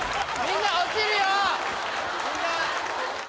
みんな落ちるよ！